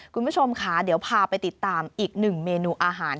คุณผู้ชมค่ะเดี๋ยวพาไปติดตามอีกหนึ่งเมนูอาหาร